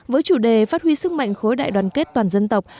với chủ đề phát huy sức mạnh khối đại đoàn kết toàn dân tộc